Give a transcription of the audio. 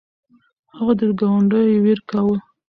هغه د ګاونډیو ویر کاوه.